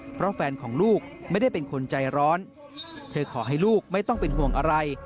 เพราะแฟนของลูกไม่ได้เป็นคนใจร้อนเธอขอให้ลูกไม่ต้องเป็นห่วงอะไร